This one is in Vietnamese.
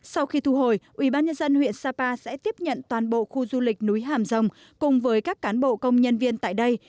sau khi thu hồi ủy ban nhân dân huyện sapa sẽ tiếp nhận toàn bộ khu du lịch núi hàm rồng cùng với các cán bộ công nhân viên tại đây